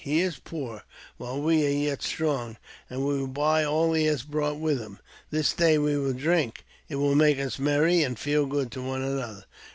He is poor, while we are yet strong, and we will buy all he has brought with him. This day we will drink ; it will make us merry, and feel good to one another.